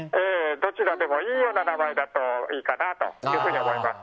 どちらでもいいような名前だといいかなと思います。